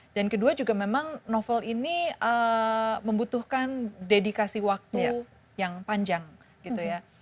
kedua juga memang novel ini membutuhkan dedikasi waktu yang panjang gitu ya